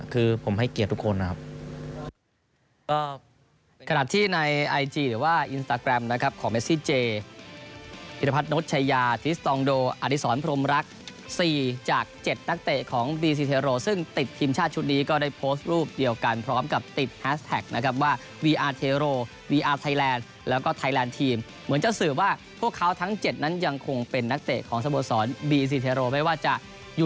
คือผมให้เกียรติทุกคนนะครับ